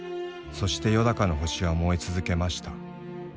「そしてよだかの星は燃えつゞけました。